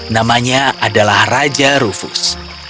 namanya adalah raja rufus